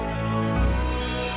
pecah kepala saya